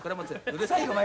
うるさいお前は。